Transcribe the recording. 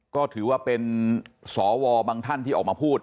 ก็ถือว่าเป็นสวบางท่านที่ออกมาพูด